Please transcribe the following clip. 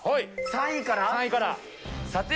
３位から？